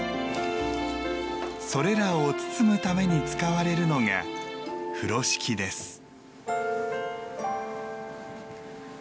それらを包むために使われるのが風呂敷です。